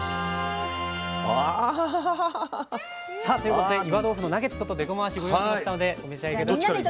さあということで岩豆腐のナゲットとでこまわしご用意しましたのでお召し上がり下さい。